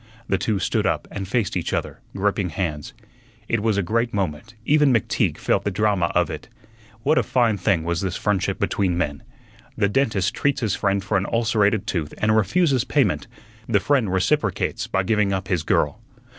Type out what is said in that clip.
The two stood up and faced each other, gripping hands. It was a great moment; even McTeague felt the drama of it. What a fine thing was this friendship between men! the dentist treats his friend for an ulcerated tooth and refuses payment; the friend reciprocates by giving up his girl.